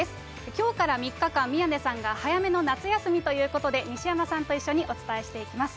きょうから３日間、宮根さんが早めの夏休みということで、西山さんと一緒にお伝えしていきます。